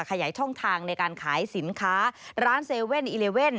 ขยายช่องทางในการขายสินค้าร้าน๗๑๑